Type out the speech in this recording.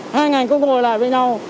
hai ngành không ngồi lại với nhau